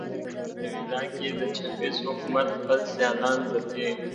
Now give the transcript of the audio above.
په وینزویلا کې د چاوېز حکومت خپل سیالان ځپي.